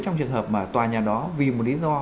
trong trường hợp mà tòa nhà đó vì một lý do